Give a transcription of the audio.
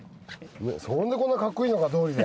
そんでこんなカッコいいのかどうりで。